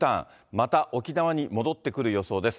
また沖縄に戻ってくる予想です。